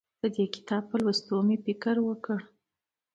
د دې کتاب په لوستو مې فکر وکړ.